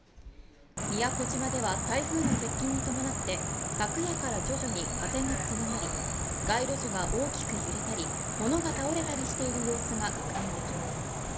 宮古島では台風の接近に伴って昨夜から徐々に風が強まり街路樹が大きく揺れたり物が倒れたりしている様子が確認できます